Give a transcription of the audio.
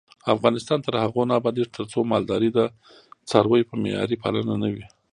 افغانستان تر هغو نه ابادیږي، ترڅو مالداري د څارویو په معیاري پالنه نه وي.